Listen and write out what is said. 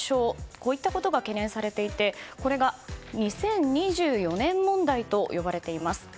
こういったことが懸念されていてこれが２０２４年問題と呼ばれています。